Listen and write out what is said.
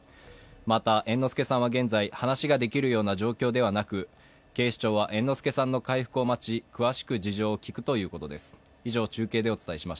また、猿之助さんは現在、話ができるような状況ではなく警視庁は猿之助さんの回復を待ち詳しく事情を聴くということです。